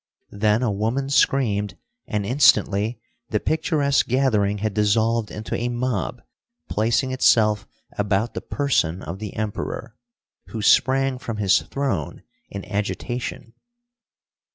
Then a woman screamed, and instantly the picturesque gathering had dissolved into a mob placing itself about the person of the Emperor, who sprang from his throne in agitation.